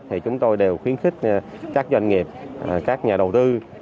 thì chúng tôi đều khuyến khích các doanh nghiệp các nhà đầu tư